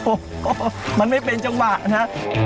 ก็มันไม่เป็นจังหวะนะฮะ